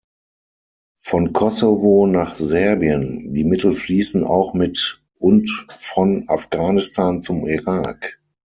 Von Kosovo nach Serbien die Mittel fließen auch mit und von Afghanistan zum Irak.